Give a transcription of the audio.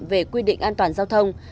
về quy định an toàn giao thông